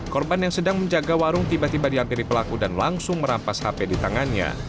korban yang sedang menjaga warung tiba tiba diampiri pelaku dan langsung merampas hp di tangannya